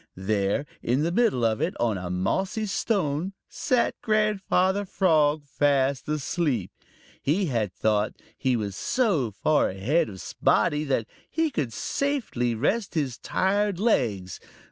There, in the middle of it, on a mossy stone, sat Grandfather Frog fast asleep. He had thought that he was so far ahead of Spotty that he could safely rest his tired legs.